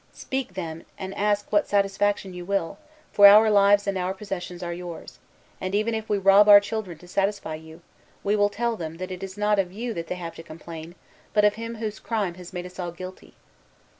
Speak, then, and ask what satisfaction you will, for our lives and our possessions are yours; and even if we rob our children to satisfy you, we will tell them that it is not of you that they have to complain, but of him whose crime has made us all guilty.